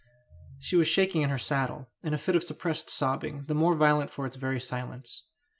She was shaking in her saddle, in a fit of suppressed sobbing the more violent for its very silence.